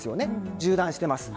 縦断しています。